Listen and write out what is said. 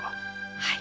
はい。